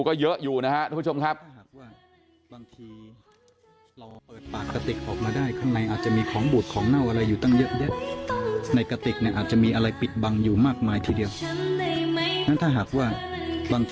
ก็เยอะอยู่นะครับทุกผู้ชมครับ